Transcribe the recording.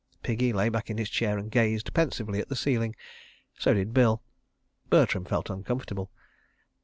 ..." Piggy lay back in his chair and gazed pensively at the ceiling. So did Bill. Bertram felt uncomfortable.